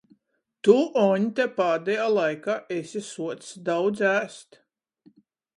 Tu, Oņte, pādejā laikā esi suocs daudz ēst!